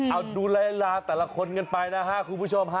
เอาดูละลาแต่ละคนกันไปนะครับคุณผู้ชม